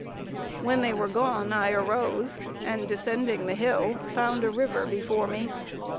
When they were gone I arose, and descending the hill, found a river before me.